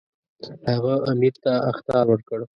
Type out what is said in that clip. هغه امیر ته اخطار ورکړ.